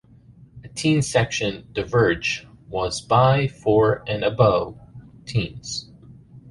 A teen section "The Verge" was "by, for and about teens.